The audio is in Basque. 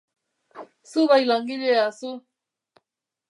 Zu bai langilea, zu.